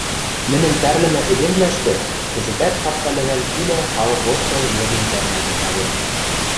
нӹнӹн тӓрлӹмӹ эдемвлӓштӹ кӹзӹтӓт капка лӹвӓл пилӓ халык лошты лыген сӓрнӓт, наверно.